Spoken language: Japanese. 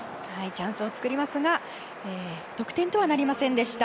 チャンスを作りますが得点とはなりませんでした。